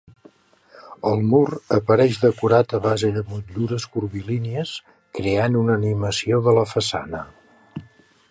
El mur apareix decorat a base de motllures curvilínies, creant una animació de la façana.